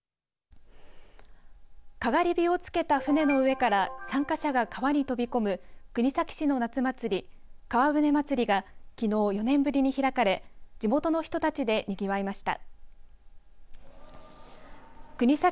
かがり火をつけた舟の上から参加者が川に飛び込む国東市の夏祭り川舟祭がきのう４年ぶりに開かれ地元の人たちでにぎわいました。